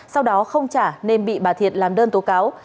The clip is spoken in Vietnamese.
sau đó không trả nên bị bà thiệt làm đơn tố cáo